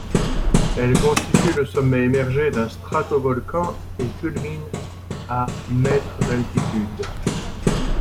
Elle constitue le sommet émergé d'un stratovolcan et culmine à mètres d'altitude.